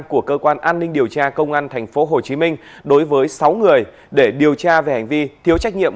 của cơ quan an ninh điều tra công an tp hcm đối với sáu người để điều tra về hành vi thiếu trách nhiệm